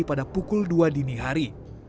pada pukul dua dini hari